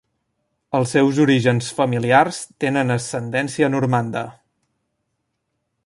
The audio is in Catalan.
Els seus orígens familiars tenen ascendència normanda.